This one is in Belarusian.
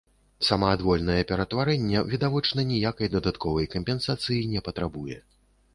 Самаадвольнае ператварэнне, відавочна, ніякай дадатковай кампенсацыі не патрабуе.